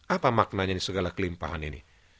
apa maknanya di segala kelimpahan ini